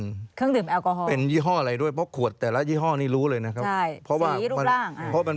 เครื่องดื่มแอลกอฮอล์เป็นยี่ห้ออะไรด้วยเพราะขวดแต่ละยี่ห้อนี้รู้เลยนะครับ